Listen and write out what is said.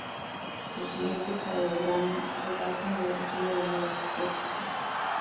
El siguiente cladograma se basa en el estudio de Novas "et al.